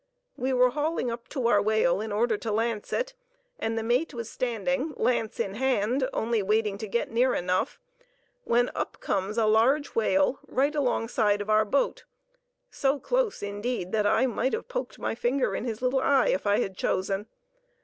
We were hauling up to our whale in order to lance it, and the mate was standing, lance in hand, only waiting to get near enough, when up comes a large whale right alongside of our boat, so close, indeed, that I might have poked my finger in his little eye, if I had chosen.